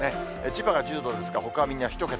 千葉が１０度ですが、ほかはみんな１桁。